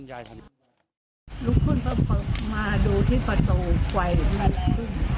ลุกขึ้นมาดูที่ประตูไฟมันขึ้นน่ะ